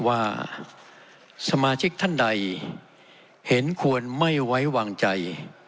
ว่าสมาชิกท่านใดเห็นควรไม่ไว้วางใจ